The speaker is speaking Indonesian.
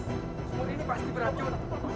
semua ini pasti beracun